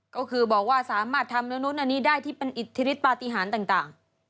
ก็คือบอกว่าสามารถทำแล้วนู้นอันนี้ได้ที่เป็นอิทธิฤทธปฏิหารต่าง